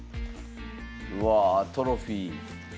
うわあトロフィー。